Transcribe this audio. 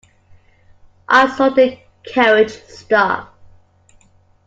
I saw the carriage stop.